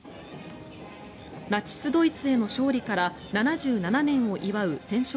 ナチス・ドイツへの勝利から７７年を祝う戦勝